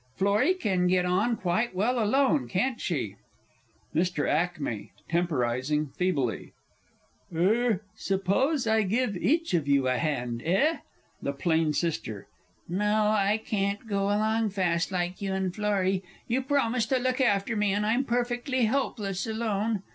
Florrie can get on quite well alone, can't she? MR. A. (temporising feebly). Er suppose I give each of you a hand, eh? THE PLAIN S. No; I can't go along fast, like you and Florrie. You promised to look after me, and I'm perfectly helpless alone!